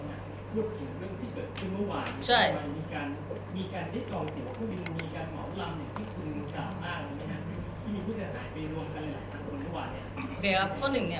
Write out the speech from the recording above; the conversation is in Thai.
พูดถึงเรื่องที่เกิดขึ้นเมื่อวาน